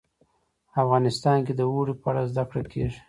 افغانستان کې د اوړي په اړه زده کړه کېږي.